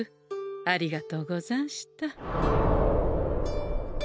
ありがとうござんした。